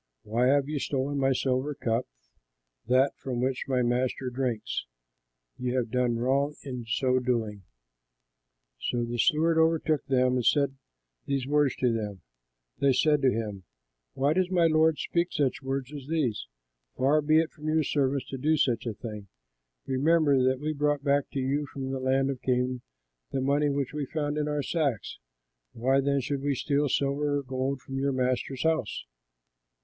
Why have you stolen my silver cup, that from which my master drinks? You have done wrong in so doing.'" So the steward overtook them and said these words to them. They said to him, "Why does my lord speak such words as these? Far be it from your servants to do such a thing! Remember that we brought back to you from the land of Canaan the money which we found in our sacks. Why then should we steal silver or gold from your master's house?